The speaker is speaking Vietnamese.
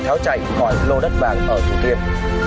tháo chạy khỏi lô đất bản ở thủ thiêm